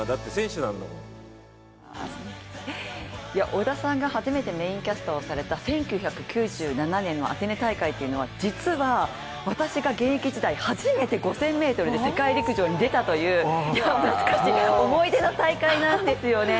織田さんが初めてメーンキャスターをされた１９９７年のアテネ大会というのは、実は私が現役時代初めて５０００ｍで世界陸上に出たという、懐かしい思い出の大会なんですよね。